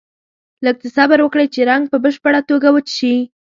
لږ څه صبر وکړئ چې رنګ په بشپړه توګه وچ شي.